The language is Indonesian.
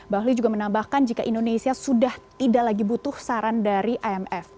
bahli juga menambahkan jika indonesia sudah tidak lagi butuh saran dari imf